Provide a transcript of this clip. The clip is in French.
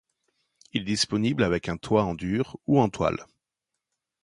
Il est disponible avec un toit en dur ou en toile.